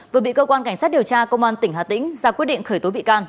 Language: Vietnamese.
vừa bị cơ quan cảnh sát điều tra công an tỉnh hà tĩnh ra quyết định khởi tố bị can